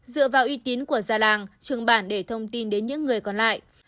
dựa vào uy tín của già làng trường bản để thông tin đến những người còn lại